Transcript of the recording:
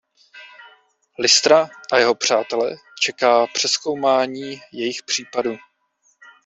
Listera a jeho přátele čeká přezkoumání jejich případu.